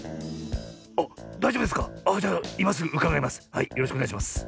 はいよろしくおねがいします。